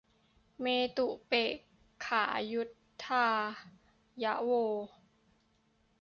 เมตตุเปกขายุทธายะโว